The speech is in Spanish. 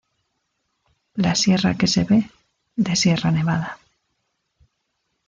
La sierra que se ve, de Sierra Nevada.